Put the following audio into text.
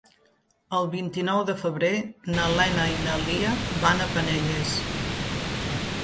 El vint-i-nou de febrer na Lena i na Lia van a Penelles.